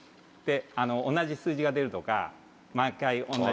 同じ数字が出るとか毎回同じ。